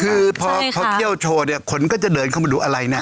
คือพอเขาเที่ยวโชว์เนี่ยคนก็จะเดินเข้ามาดูอะไรเนี่ย